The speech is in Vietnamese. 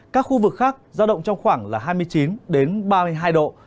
các khu vực khác ra động trong khoảng hai mươi chín ba mươi hai độ